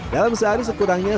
dalam sehari sekurangnya